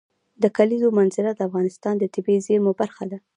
د کلیزو منظره د افغانستان د طبیعي زیرمو برخه ده.